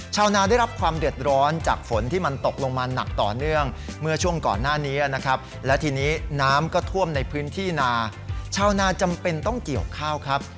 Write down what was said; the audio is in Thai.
ชาวนาได้รับความเดือดร้อนจากฝนที่มันตกลงมาหนักต่อเนื่องเมื่อช่วงก่อนหน้านี้นะครับและทีนี้น้ำก็ท่วมในพื้นที่นาชาวนาจำเป็นต้องเกี่ยวข้าวครับ